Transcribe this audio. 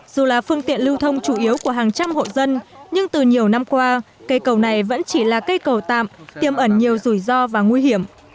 dù là phương tiện lưu thông chủ yếu của hàng trăm hộ dân nhưng từ nhiều năm qua cây cầu này vẫn chỉ là cây cầu tạm tiêm ẩn nhiều rủi ro và nguy hiểm